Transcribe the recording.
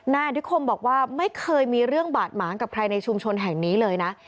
นายอนิคมบอกว่าไม่เคยมีเรื่องบาดหมางกับใครในชุมชนแห่งนี้เลยนะ